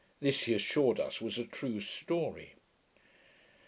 This, he assured us, was a true story.